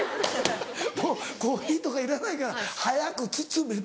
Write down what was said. もうコーヒーとかいらないから早く包めと。